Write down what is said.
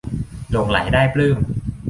หลงใหลได้ปลื้ม